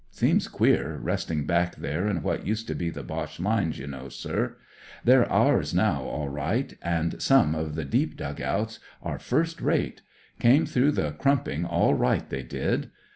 Seems queer, resting back there in what used to be the Boche lines, you Vnow, sir. They're ours now, all ri^, it, *^*cl s<«ne of the deep dug outs are fir ' ^ate ; came through the crumping all right, they did.